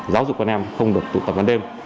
giáo dục con em không được tụ tập ban đêm